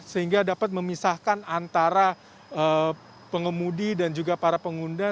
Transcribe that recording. sehingga dapat memisahkan antara pengemudi dan juga para pengguna